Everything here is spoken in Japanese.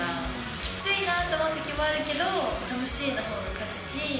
きついなと思うときもあるけど、楽しいのほうが勝つし。